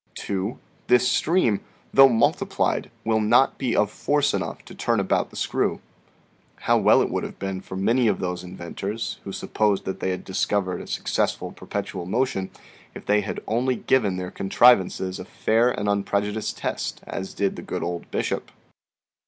2. This stream, though multiplied, will not be of force enough to turn about the screw." How well it would have been for many of those inven tors, who supposed that they had discovered a successful perpetual motion, if they had only given their contrivances a fair and unprejudiced test as did the good old bishop!